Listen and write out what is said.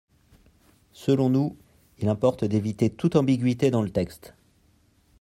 Selon nous, il importe d’éviter toute ambiguïté dans le texte.